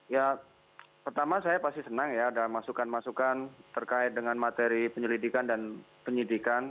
ya pertama saya pasti senang ya ada masukan masukan terkait dengan materi penyelidikan dan penyidikan